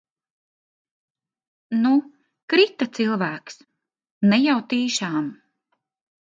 Nu, krita cilvēks, ne jau tīšām.